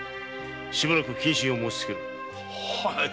しばらく謹慎を申しつける。